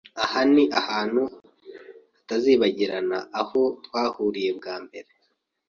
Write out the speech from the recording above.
Aha ni ahantu hatazibagirana aho twahuriye bwa mbere.